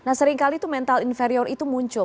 nah seringkali itu mental inferior itu muncul